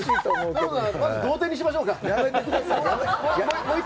まず同点にしましょう。